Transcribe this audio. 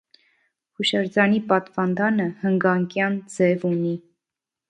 Հուշարձանի պատվանդանը հնգանկյան ձև ունի։